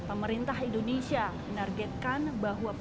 pemerintah indonesia menargetkan bahwa